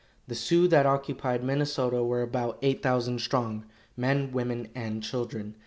The Sioux that occupied Minnesota were about eight thousand strong, men, women and children.